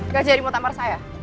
gak jadi mau tampar saya